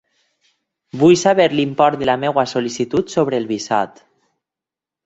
Vull saber l'import de la meva sol·licitut sobre el visat.